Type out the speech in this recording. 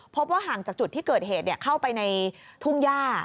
พบว่าห่างจากจุดที่เกิดเหตุเข้าไปในทุ่งย่า